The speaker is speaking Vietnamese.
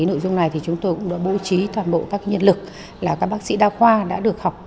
nội dung này thì chúng tôi cũng đã bố trí toàn bộ các nhân lực là các bác sĩ đa khoa đã được học